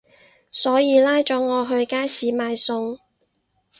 所以拉咗我去街市買餸